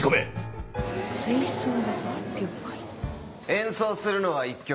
演奏するのは１曲。